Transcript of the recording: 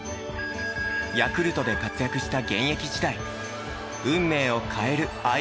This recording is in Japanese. ヤクルトで活躍した現役時代運命を変える愛